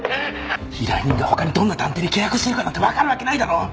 依頼人が他にどんな探偵に契約してるかなんて分かるわけないだろ。